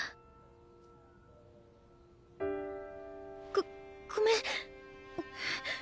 ごごめん。